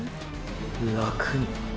「楽に」？